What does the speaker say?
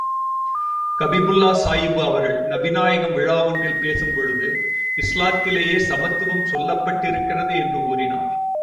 கலிபுல்லா சாயபு அவர்கள் நபிகள் நாயகம் விழா ஒன்றில் பேசும் பொழுது, இஸ்லாத்திலே சமத்துவம் சொல்லப்பட்டிருக்கிறது என்று கூறினார்கள்.